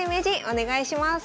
お願いします。